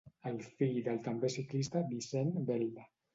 És fill del també ciclista Vicent Belda.